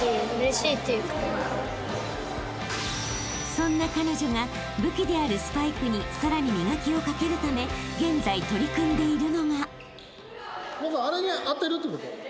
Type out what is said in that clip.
［そんな彼女が武器であるスパイクにさらに磨きをかけるため現在取り組んでいるのが］